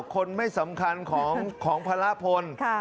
คนไม่สำคัญของพระละพล